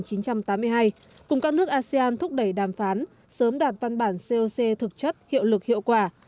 cùng các nước asean thúc đẩy đàm phán sớm đạt văn bản coc thực chất hiệu lực hiệu quả